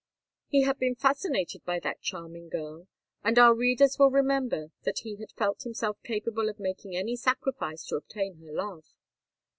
He had been fascinated by that charming girl; and our readers will remember that he had felt himself capable of making any sacrifice to obtain her love!